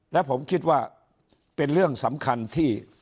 และผมคิดว่าเป็นเรื่องสำคัญที่